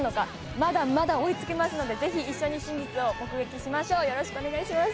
まだまだ追いつけますのでぜひ一緒に真実を目撃しましょうよろしくお願いします。